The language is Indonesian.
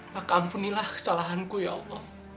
maka ampunilah kesalahanku ya allah